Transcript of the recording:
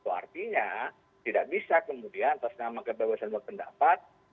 artinya tidak bisa kemudian atas nama kebebasan berpendapat